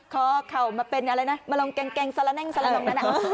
เพราะเขามาเป็นอะไรนะมาลองแกงซาละแน่งนั่น